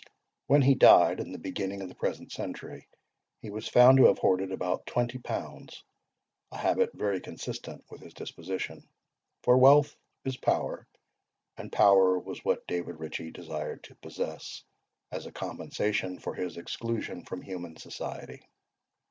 When he died, in the beginning of the present century, he was found to have hoarded about twenty pounds, a habit very consistent with his disposition; for wealth is power, and power was what David Ritchie desired to possess, as a compensation for his exclusion from human society.